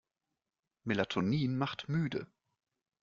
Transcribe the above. Melatonin macht müde.